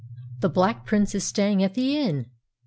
The Black Prince is staying at the Inn!